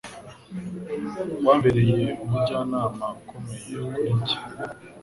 Wambereye umujyanama ukomeye kuri njye.